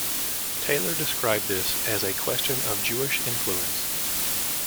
Taylor described this as a question of Jewish influence.